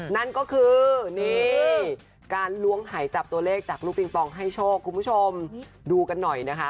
นั่นก็คือนี่การล้วงหายจับตัวเลขจากลูกปิงปองให้โชคคุณผู้ชมดูกันหน่อยนะคะ